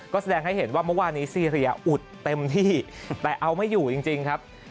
ก็แสดงให้เห็นว่าเมื่อวานนี้ซีเรียอุดเต็มที่แต่เอาไม่อยู่จริงครับ